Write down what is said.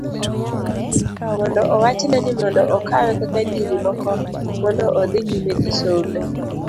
mondo owachne ni mondo okawe kaka nyiri moko mondo odhi nyime gi sombe